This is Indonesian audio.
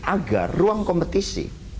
agar ruang kompetisi